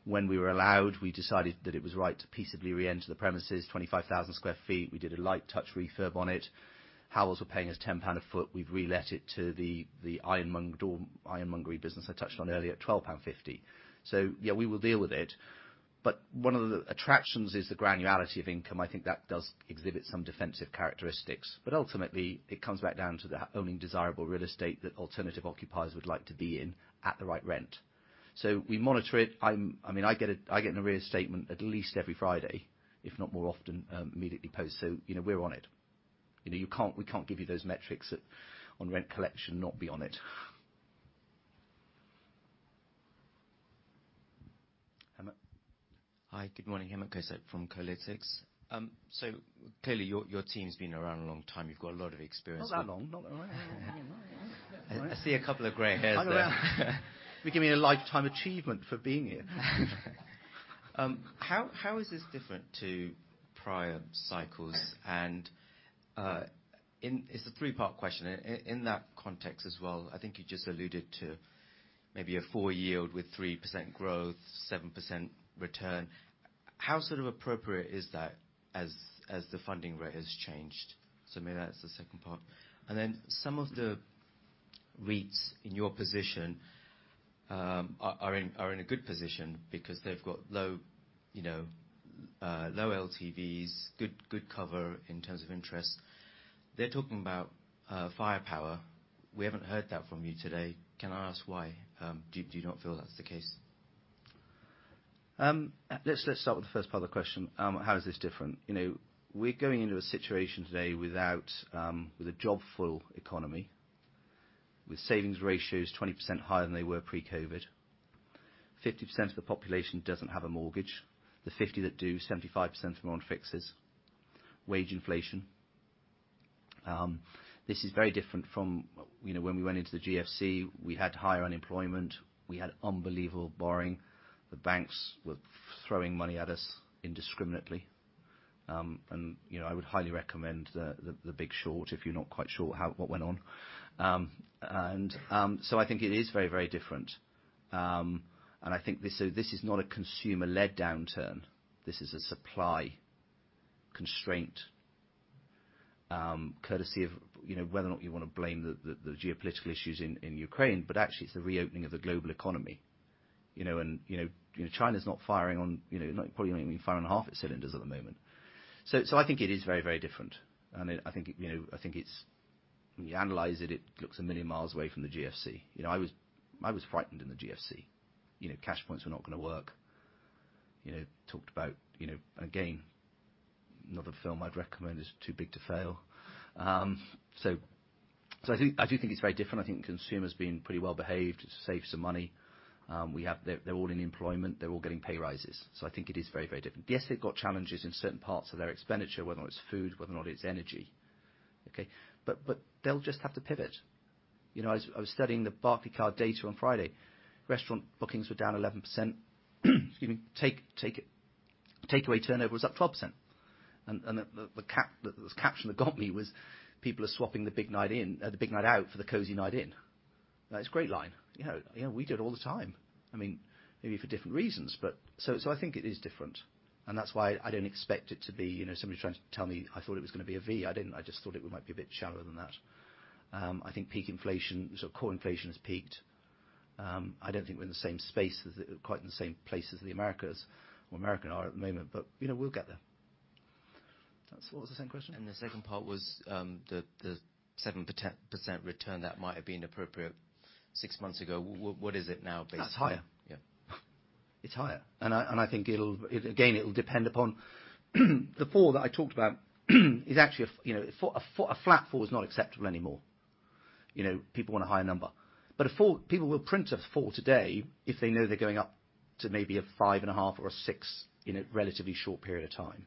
When we were allowed, we decided that it was right to peaceably reenter the premises, 25,000 sq ft. We did a light touch refurb on it. Howells were paying us 10 pound a foot. We've relet it to the ironmong— or ironmongery business I touched on earlier at 12.50 pound. Yeah, we will deal with it. One of the attractions is the granularity of income. I think that does exhibit some defensive characteristics. Ultimately, it comes back down to owning desirable real estate that alternative occupiers would like to be in at the right rent. We monitor it. I mean, I get a, I get an arrears statement at least every Friday, if not more often, immediately post. You know, we're on it. You know, we can't give you those metrics at, on rent collection and not be on it. Hemant? Hi. Good morning. Hemant Kotak from Kolytics. Clearly your team's been around a long time. You've got a lot of experience. Not that long. Not that. You know. Yeah. I see a couple of gray hairs there. They give me a lifetime achievement for being here. How is this different to prior cycles? It's a three-part question. In that context as well, I think you just alluded to maybe a 4 yield with 3% growth, 7% return. How sort of appropriate is that as the funding rate has changed? Maybe that's the second part. Then some of the REITs in your position are in a good position because they've got low, you know, low LTVs, good cover in terms of interest. They're talking about firepower. We haven't heard that from you today. Can I ask why? Do you not feel that's the case? Let's, let's start with the first part of the question. How is this different? You know, we're going into a situation today without, with a jobs- full economy, with savings ratios 20% higher than they were pre-COVID. 50% of the population doesn't have a mortgage. The 50 that do, 75% of them are on fixes. Wage inflation. This is very different from, you know, when we went into the GFC, we had higher unemployment. We had unbelievable borrowing. The banks were throwing money at us indiscriminately. And, you know, I would highly recommend The Big Short if you're not quite sure how, what went on. And, so I think it is very, very different. And I think this so this is not a consumer-led downturn. This is a supply constraint, courtesy of, you know, whether or not you wanna blame the geopolitical issues in Ukraine, but actually it's the reopening of the global economy. You know, and you know, China's not firing on, you know, probably not even firing on half its cylinders at the moment. I think it is very, very different. I think it, you know, When you analyze it looks a million miles away from the GFC. You know, I was frightened in the GFC. You know, cash points were not gonna work. You know, talked about... Again, another film I'd recommend is Too Big to Fail. I do think it's very different. I think the consumer's been pretty well-behaved. Saved some money. They're all in employment. They're all getting pay raises. I think it is very, very different. Yes, they've got challenges in certain parts of their expenditure, whether or not it's food, whether or not it's energy, okay? But they'll just have to pivot. You know, I was studying the Barclaycard data on Friday. Restaurant bookings were down 11%. Excuse me. Takeaway turnover was up 12%. The caption that got me was, people are swapping the big night in, the big night out for the cozy night in. That's a great line. You know, you know, we do it all the time. I mean, maybe for different reasons, but... I think it is different, and that's why I don't expect it to be, you know, somebody trying to tell me, I thought it was gonna be a V. I didn't. I just thought it might be a bit shallower than that. I think peak inflation, sort of core inflation has peaked. I don't think we're in the same space as the, quite in the same place as the Americas or American are at the moment, but, you know, we'll get there. That's. What was the second question? The second part was, the 7% return that might have been appropriate 6 months ago. What is it now based on- It's higher. Yeah. It's higher. I think it'll, again, it'll depend upon the 4 that I talked about is actually, you know, a 4, a flat 4 is not acceptable anymore. You know, people want a higher number. A 4, people will print a 4 today if they know they're going up to maybe a 5.5 or a 6 in a relatively short period of time.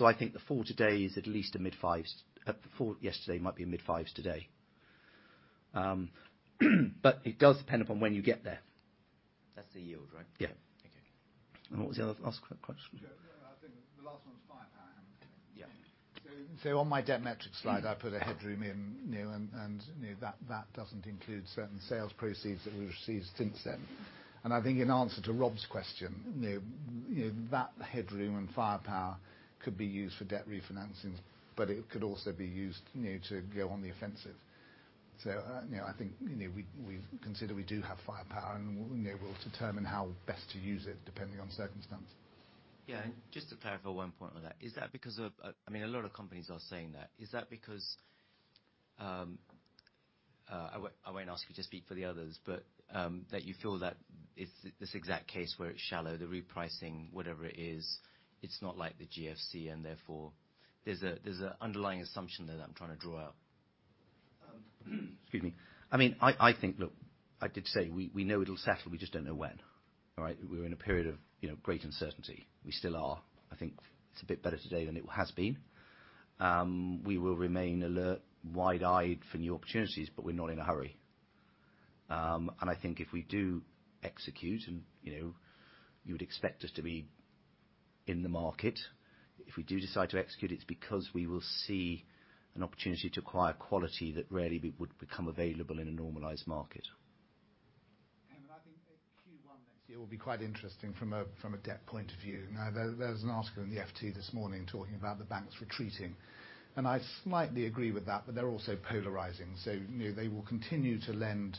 I think the 4 today is at least a mid-5s. The 4 yesterday might be a mid-5s today, but it does depend upon when you get there. That's the yield, right? Yeah. Okay. What was the other last question? No, I think the last one's firepower, isn't it? Yeah. On my debt metrics slide, I put a headroom in, you know, and, you know, that doesn't include certain sales proceeds that we've received since then. I think in answer to Rob's question, you know, that headroom and firepower could be used for debt refinancings, but it could also be used, you know, to go on the offensive. You know, I think, you know, we consider we do have firepower, and, you know, we'll determine how best to use it depending on circumstance. Yeah. Just to clarify one point on that, is that because of... I mean, a lot of companies are saying that. Is that because I won't ask you to speak for the others, but that you feel that it's this exact case where it's shallow, the repricing, whatever it is, it's not like the GFC and therefore... There's an underlying assumption there that I'm trying to draw out. Excuse me. I mean, I think, look, I did say we know it'll settle, we just don't know when. All right? We're in a period of, you know, great uncertainty. We still are. I think it's a bit better today than it has been. We will remain alert, wide-eyed for new opportunities, but we're not in a hurry. I think if we do execute and, you know, you would expect us to be in the market. If we do decide to execute, it's because we will see an opportunity to acquire quality that rarely would become available in a normalized market. I think Q1 next year will be quite interesting from a debt point of view. There's an article in the FT this morning talking about the banks retreating, and I slightly agree with that, but they're also polarizing. You know, they will continue to lend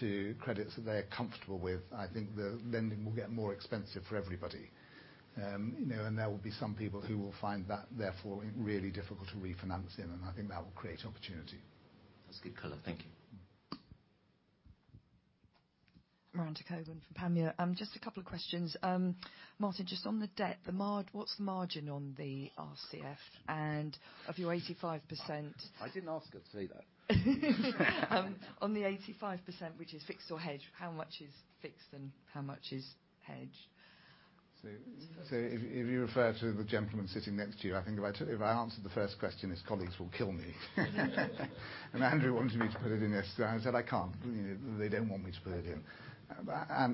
to credits that they're comfortable with. I think the lending will get more expensive for everybody. You know, there will be some people who will find that therefore really difficult to refinance in. I think that will create opportunity. That's a good color. Thank you. Mm. Miranda Cockburn from Panmure. Just a couple of questions. Martin, just on the debt, what's the margin on the RCF? Of your 85%- I didn't ask her to say that. On the 85%, which is fixed or hedged, how much is fixed and how much is hedged? If you refer to the gentleman sitting next to you, I think if I answered the first question, his colleagues will kill me. Andrew wanted me to put it in yesterday, and I said, "I can't. You know, they don't want me to put it in."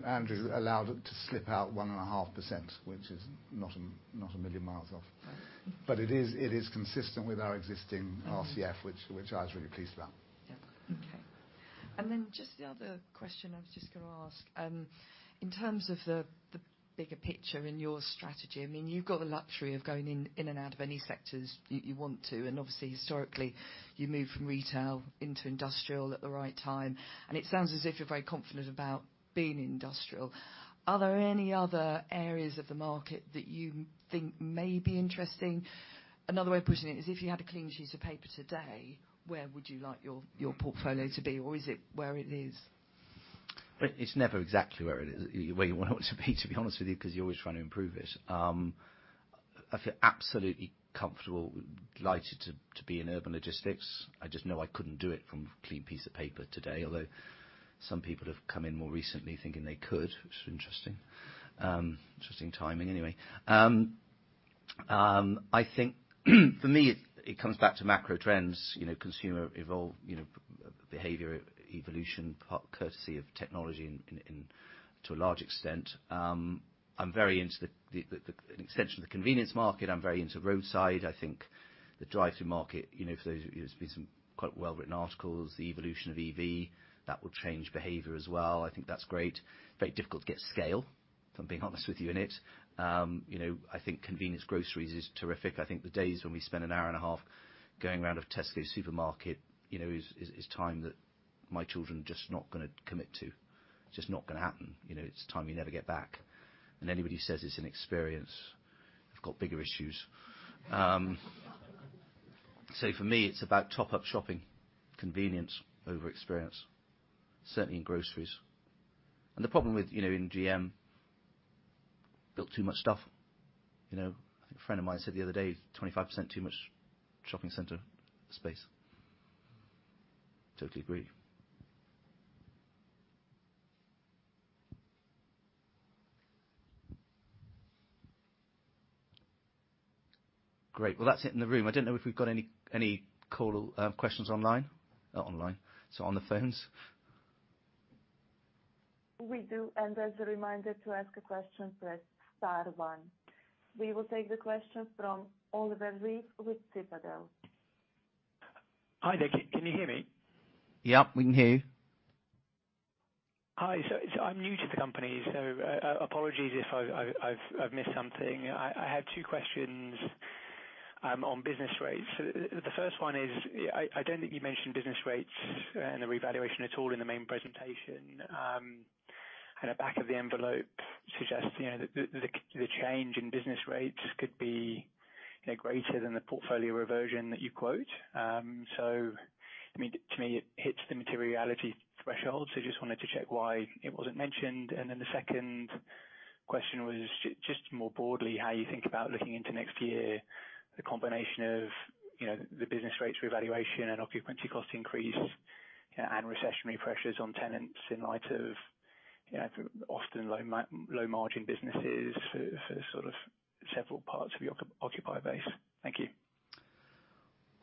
Andrew allowed it to slip out 1.5%, which is not a million miles off. Okay. It is consistent with our existing RCF- Mm-hmm. which I was really pleased about. Yeah. Okay. Just the other question I was just gonna ask, in terms of the bigger picture in your strategy, I mean, you've got the luxury of going in and out of any sectors you want to. Obviously historically, you moved from retail into industrial at the right time, and it sounds as if you're very confident about being in industrial. Are there any other areas of the market that you think may be interesting? Another way of putting it is if you had a clean sheet of paper today, where would you like your portfolio to be, or is it where it is? It's never exactly where it is, where you want it to be, to be honest with you, 'cause you're always trying to improve it. I feel absolutely comfortable, delighted to be in urban logistics. I just know I couldn't do it from a clean piece of paper today, although some people have come in more recently thinking they could, which is interesting. Interesting timing anyway. I think for me, it comes back to macro trends, you know, consumer evolve, you know, behavior evolution, part courtesy of technology in to a large extent. I'm very into the an extension of the convenience market. I'm very into roadside. I think the drive-through market, you know, for those, there's been some quite well-written articles. The evolution of EV, that will change behavior as well. I think that's great. Very difficult to get scale, if I'm being honest with you, in it. You know, I think convenience groceries is terrific. I think the days when we spend an hour and a half going around a Tesco supermarket, you know, is time that my children are just not gonna commit to, just not gonna happen. You know, it's time you never get back. Anybody says it's an experience, they've got bigger issues. For me, it's about top-up shopping, convenience over experience, certainly in groceries. The problem with, you know, in GM, built too much stuff, you know. I think a friend of mine said the other day, 25% too much shopping center space. Totally agree. Great. Well, that's it in the room. I don't know if we've got any call questions online. Online. On the phones. We do. As a reminder to ask a question, press star one. We will take the question from Oliver Reiff with Citadel. Hi there. Can you hear me? Yep, we can hear you. Hi. I'm new to the company, so apologies if I've missed something. I had two questions on business rates. The first one is, I don't think you mentioned business rates and the revaluation at all in the main presentation. The back of the envelope suggests, you know, the change in business rates could be, you know, greater than the portfolio reversion that you quote. I mean, to me, it hits the materiality threshold. Just wanted to check why it wasn't mentioned. The second question was just more broadly, how you think about looking into next year, the combination of, you know, the business rates revaluation and occupancy cost increase, and recessionary pressures on tenants in light of, yeah, it's often low margin businesses for sort of several parts of the occupied base. Thank you.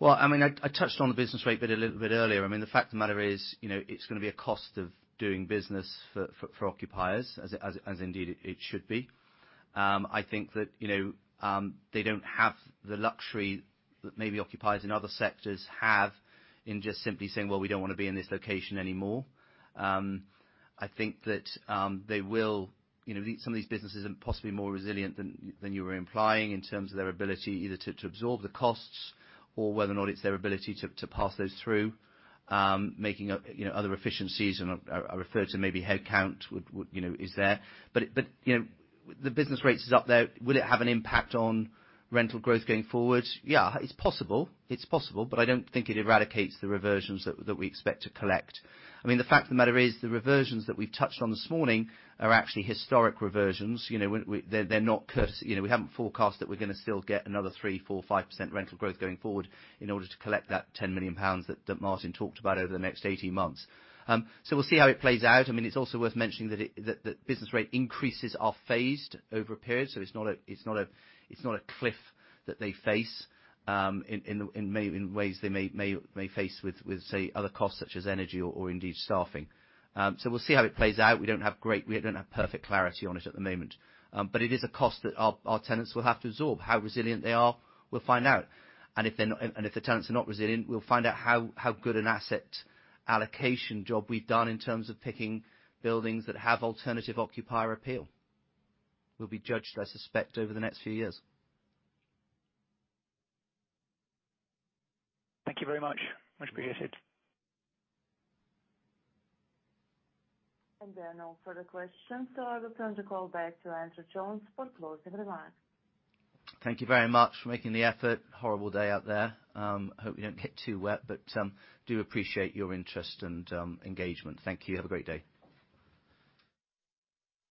I mean, I touched on the business rate bit a little bit earlier. I mean, the fact of the matter is, you know, it's gonna be a cost of doing business for occupiers as it, as indeed it should be. I think that, you know, they don't have the luxury that maybe occupiers in other sectors have in just simply saying, "Well, we don't wanna be in this location anymore." I think that, you know, these, some of these businesses are possibly more resilient than you were implying in terms of their ability either to absorb the costs or whether or not it's their ability to pass those through, making you know, other efficiencies and or referred to maybe headcount would, you know, is there. The business rates is up there. Will it have an impact on rental growth going forward? Yeah, it's possible. It's possible. I don't think it eradicates the reversions that we expect to collect. I mean, the fact of the matter is the reversions that we've touched on this morning are actually historic reversions. We haven't forecast that we're gonna still get another 3%, 4%, 5% rental growth going forward in order to collect that 10 million pounds that Martin talked about over the next 18 months. We'll see how it plays out. I mean, it's also worth mentioning that business rate increases are phased over a period, so it's not a cliff that they face, in ways they may face with say other costs such as energy or indeed staffing. So we'll see how it plays out. We don't have great... We don't have perfect clarity on it at the moment. But it is a cost that our tenants will have to absorb. How resilient they are, we'll find out. If they're not, and if the tenants are not resilient, we'll find out how good an asset allocation job we've done in terms of picking buildings that have alternative occupier appeal. We'll be judged, I suspect, over the next few years. Thank you very much. Much appreciated. There are no further questions, so I'll return the call back to Andrew Jones for closing remarks. Thank you very much for making the effort. Horrible day out there. Hope you don't get too wet, but do appreciate your interest and engagement. Thank you. Have a great day.